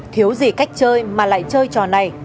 thiếu gì cách chơi mà lại chơi trò này